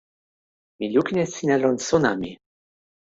mi lukin e sina lon sona mi.